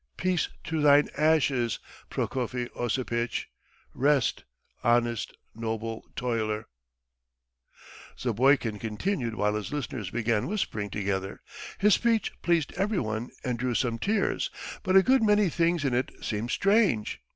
Peace to thine ashes, Prokofy Osipitch! Rest, honest, noble toiler!" Zapoikin continued while his listeners began whispering together. His speech pleased everyone and drew some tears, but a good many things in it seemed strange.